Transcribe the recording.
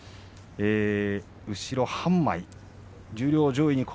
後ろ半枚。